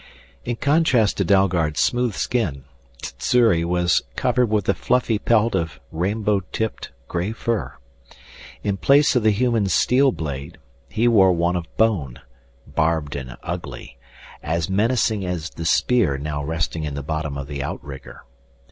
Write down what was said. In contrast to Dalgard's smooth skin, Sssuri was covered with a fluffy pelt of rainbow tipped gray fur. In place of the human's steel blade, he wore one of bone, barbed and ugly, as menacing as the spear now resting in the bottom of the outrigger.